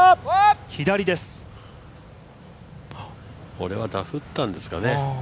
これはダフったんですかね。